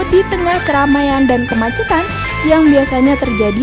di tengah keramaian dan kemacetan yang biasanya terjadi